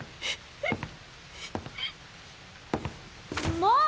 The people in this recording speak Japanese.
もう！